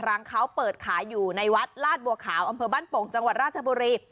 ร้านเขาเปิดขายอยู่ในวัดลาดบัวขาวอำเภอบ้านโป่งจังหวัดราชบุรี